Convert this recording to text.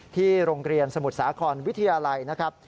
ที่โรงเรียนสมุทรสาครวิทยาลัยนะครับ